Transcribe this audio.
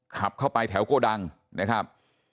ขับเข้าไปแถวโกดังนะครับ